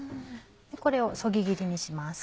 これをそぎ切りにします。